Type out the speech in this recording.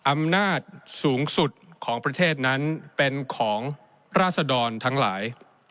อำนาจสูงสุดของประเทศนั้นเป็นของราศดรทั้งหลาย